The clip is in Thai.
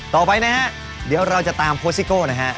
ต่อไปนะฮะเดี๋ยวเราจะตามโค้ซิโก้นะฮะ